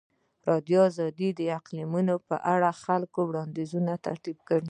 ازادي راډیو د اقلیتونه په اړه د خلکو وړاندیزونه ترتیب کړي.